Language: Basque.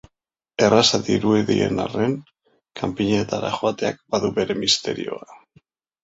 Erraza dirudien arren, kanpinetara joateak badu bere misterioa.